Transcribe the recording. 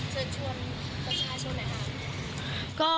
เชิญชวนประชาชนนะครับ